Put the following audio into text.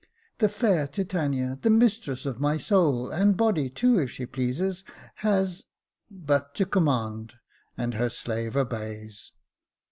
" The fair Titania, the mistress of my soul — and body too, if she pleases — has — but to command — and her slave obeys."